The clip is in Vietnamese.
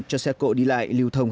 thưa các giới phép